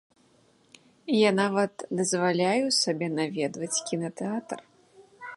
Я нават дазваляю сабе наведваць кінатэатр.